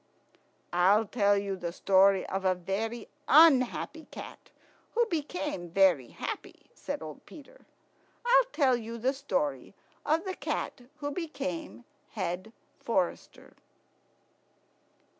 "I'll tell you the story of a very unhappy cat who became very happy," said old Peter. "I'll tell you the story of the Cat who became Head forester."